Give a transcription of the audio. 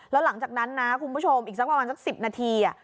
แล้วหลังจากนั้นนะคุณผู้ชมอีกสักประมาณสัก๑๐นาที